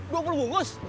dua puluh bungkus